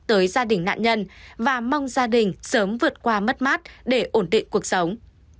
tới gia đình nạn nhân và mong gia đình sớm vượt qua mất mát để ổn định cuộc sống